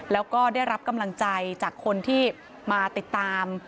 แล้วก็ได้รับกำลังใจจากคนที่มาติดตาม